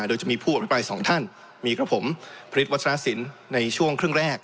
โดยจะมีผู้อภิปราย๒ท่านมีกระผมพระฤทธิ์วัฒนศิลป์ในช่วงครึ่งแรก